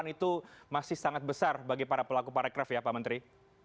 itu masih sangat besar bagi para pelaku parekraf ya pak menteri